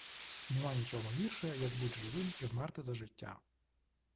Нема нічого гірше, Як буть живим і вмерти за життя!